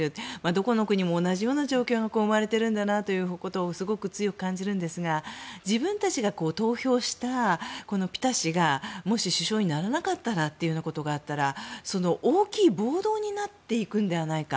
どこの国も同じような状況が生まれているんだなということをすごく強く感じるんですが自分たちが投票したピタ氏が、もし首相にならないということがあったら大きい暴動になっていくのではないか。